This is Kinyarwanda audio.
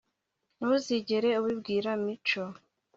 ntuzigere ubibwira mico